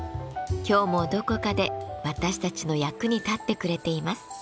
今日もどこかで私たちの役に立ってくれています。